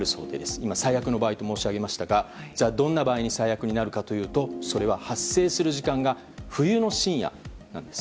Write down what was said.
今、最悪の場合と申し上げましたがどんな場合かと申し上げるとそれは発生する時間が冬の深夜なんです。